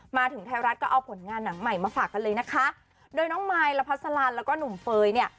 มาถึงไทยรัฐก็เอาผลงานหนังใหม่มาฝากกันเลยนะคะโดยน้องมายละพัสลันแล้วก็หนุ่มเฟย์เนี่ย